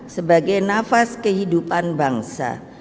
sebagai nafas kehidupan bangsa